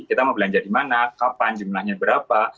kita mau belanja dimana kapan jumlahnya berapa